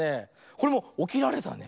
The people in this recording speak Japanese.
これもおきられたね。